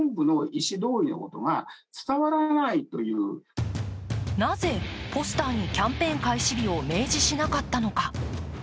食品問題の専門家はなぜポスターにキャンペーン開始日を明示しなかったのか。